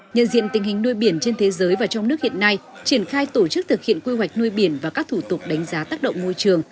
nhận diện tình hình nuôi biển trên thế giới và trong nước hiện nay triển khai tổ chức thực hiện quy hoạch nuôi biển và các thủ tục đánh giá tác động môi trường